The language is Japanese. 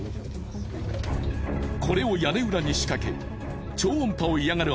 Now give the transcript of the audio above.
これを屋根裏に仕掛け超音波を嫌がる